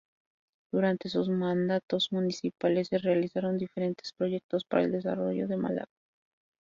Durante sus mandatos municipales se realizaron diferentes proyectos para el desarrollo de Málaga.